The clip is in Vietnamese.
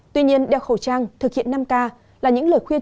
tuy nhiên đeo khẩu trang thực hiện năm k là những lời khuyên